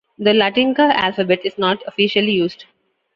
The Latynka alphabet is not officially used.